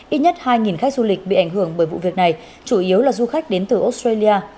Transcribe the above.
ít nhất hai khách du lịch bị ảnh hưởng bởi vụ việc này chủ yếu là du khách đến từ australia